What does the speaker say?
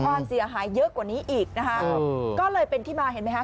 ความเสียหายเยอะกว่านี้อีกนะคะครับก็เลยเป็นที่มาเห็นไหมฮะ